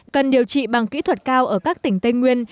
cần điều trị bằng kỹ thuật cao ở các tỉnh tây nguyên